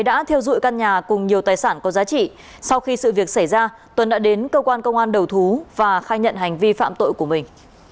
đến cơ quan công an đầu thú và khai nhận hành vi phạm tội của mình